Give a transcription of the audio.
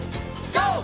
ＧＯ！